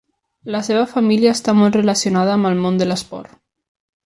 La seva família està molt relacionada amb el món de l'esport.